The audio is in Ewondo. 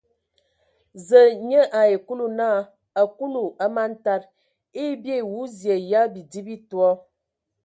Zǝ nye ai Kulu naa : a Kulu, a man tad, eyə bii awu zie ya bidi bi toa ?